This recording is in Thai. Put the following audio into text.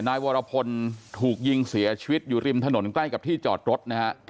นายวรพลถูกยิงเสียชีวิตอยู่ริมถนนใกล้กับที่จอดรถนะฮะ